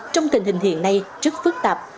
trong tình hình hiện nay rất phức tạp